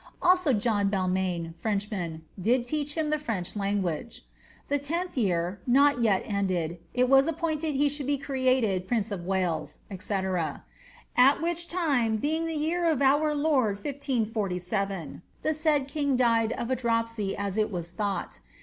Also John Belroain, Frenchman, did teach him the French hui guage. The tenth year, not yet ended, it was appointed he should be created prince of Wales, &c. At which time, being the year of our Lord 1 547, the said king died of a dropsy as it was thought.